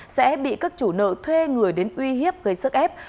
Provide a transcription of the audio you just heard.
sẽ bị các chủ nợ thuê người đến uy hiếp gây sức ép